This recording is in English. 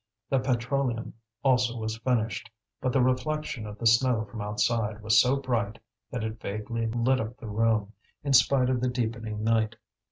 The petroleum also was finished; but the reflection of the snow from outside was so bright that it vaguely lit up the room, in spite of the deepening night.